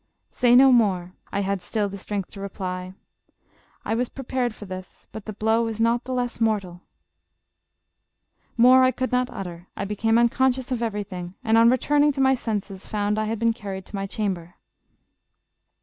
' Say no more,' I had still strength to reply, 4 1 was prepared for this, but the blow is not the less mortal.' More I could not utter. I became unconscious of everything, and on returning to my senses, found I had been carried to my chamber."